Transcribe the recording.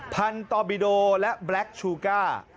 พันตอบิโดและแบล็คชูก้า